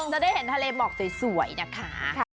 จะได้เห็นทะเลหมอกสวยนะคะ